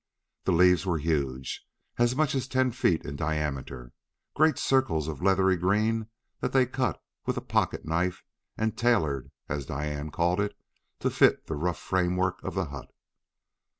The leaves were huge, as much as ten feet in diameter: great circles of leathery green that they cut with a pocket knife and "tailored" as Diane called it to fit the rough framework of the hut.